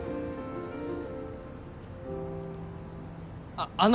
あっあの。